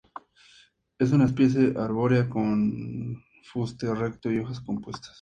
Es una especie arbórea, con fuste recto y hojas compuestas.